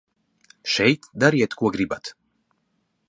Šeit dariet, ko gribat.